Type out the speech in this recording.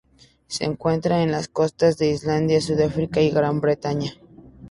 Se encuentra en las costas de Islandia, Sudáfrica y Gran Bretaña.